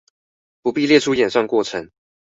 不必列出演算過程